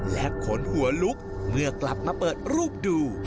และขนหัวลุกเมื่อกลับมาเปิดรูปดู